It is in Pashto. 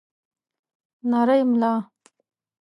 نرۍ ملا